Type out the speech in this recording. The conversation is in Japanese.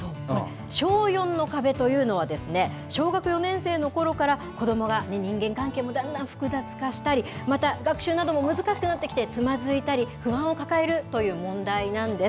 小４の壁というのは、小学４年生のころから子どもが人間関係もだんだん複雑化したり、また、学習なども難しくなってきて、つまずいたり、不安を抱えるという問題なんです。